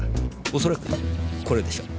おそらくこれでしょう。